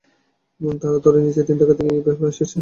এবং তারা ধরেই নিয়েছে তিনি ঢাকা থেকে এই ব্যাপারেই এসেছেন।